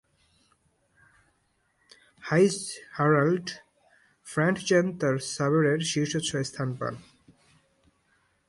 Heinz-Harald ফ্রেন্টজেন তার সাবেরের শীর্ষ ছয়ে স্থান পান।